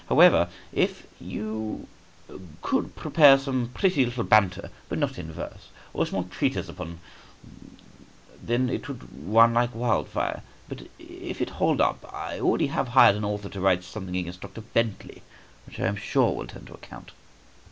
However, if you could prepare some pretty little banter (but not in verse), or a small treatise upon the it would run like wildfire. But if it hold up, I have already hired an author to write something against Dr. Bentley, which I am sure will turn to account."